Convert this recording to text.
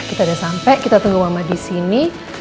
kita udah sampe kita tunggu lama disini